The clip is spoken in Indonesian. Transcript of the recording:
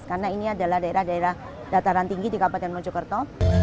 karena ini adalah daerah daerah dataran tinggi di kabupaten mojokerto